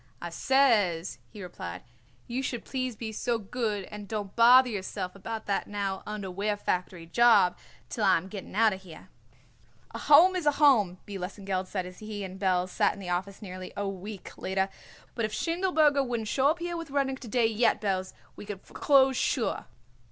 "I says," he replied, "you should please be so good and don't bother yourself about that now underwear factory job till I am getting out of here." "A Home is a Home," B. Lesengeld said as he and Belz sat in the office nearly a week later; "but if Schindelberger wouldn't show up here with Rudnik to day yet, Belz, we would foreclose sure."